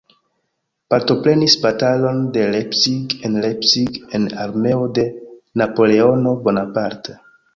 Partoprenis batalon de Leipzig en Leipzig en armeo de Napoleono Bonaparte.